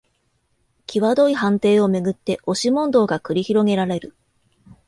きわどい判定をめぐって押し問答が繰り広げられる